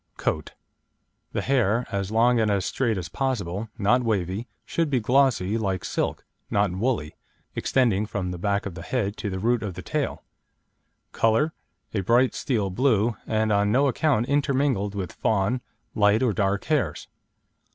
COAT The hair, as long and as straight as possible (not wavy), should be glossy, like silk (not woolly), extending from the back of the head to the root of the tail; colour, a bright steel blue, and on no account intermingled with fawn, light or dark hairs.